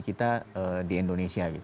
kita di indonesia